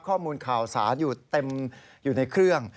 ข้อมูลข่าวสารอยู่เต็มอยู่ในเครื่อง